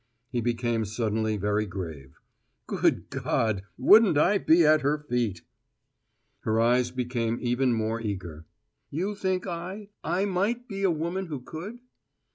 He became suddenly very grave. "Good God! wouldn't I be at her feet!" Her eyes became even more eager. "You think I I might be a woman who could?"